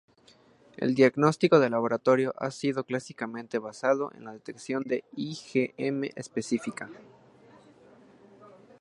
El diagnóstico de laboratorio ha sido clásicamente basado en la detección de IgM específica.